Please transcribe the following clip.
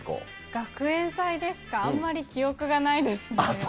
学園祭ですか、あんまり記憶そうですか。